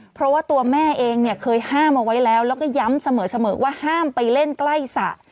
เพราะว่าตัวแม่เองเนี่ยเคยห้ามเอาไว้แล้วแล้วก็ย้ำเสมอว่าห้ามไปเล่นใกล้สระ